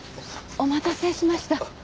お待たせしました。